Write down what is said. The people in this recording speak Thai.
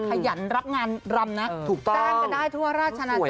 ขยันรับงานรำนะจ้างกันได้ทั่วราชนาจักร